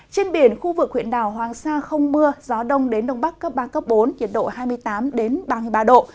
trên biển khu vực huyện đảo hoàng sa không mưa gió đông đến đông bắc cấp ba cấp bốn nhiệt độ hai mươi tám ba mươi ba độ